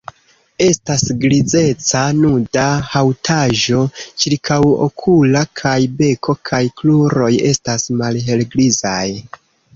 Estas grizeca nuda haŭtaĵo ĉirkaŭokula kaj beko kaj kruroj estas malhelgrizaj.